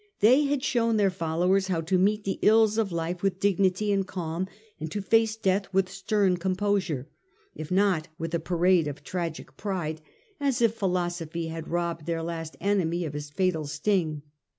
They had shown their followers how to meet the ills of life with dignity and calm, and to face death with stern composure, if not with a parade of tragic pride, as if philosophy had robbed their last enemy of his fatal sting.